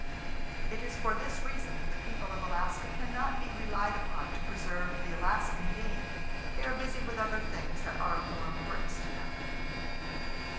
It is for this reason that the people of Alaska can not be relied upon to preserve the Alaskan game. They are busy with other things that are of more importance to them.